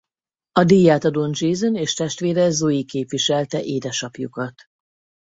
A díjátadón Jason és testvére Zoe képviselte édesapjukat.